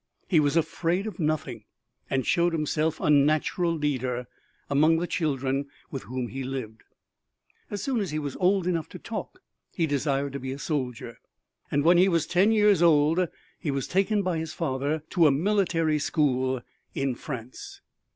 He was afraid of nothing, and showed himself a natural leader among the children with whom he lived. As soon as he was old enough to talk he desired to be a soldier, and when he was ten years old he was taken by his father to a military school in France.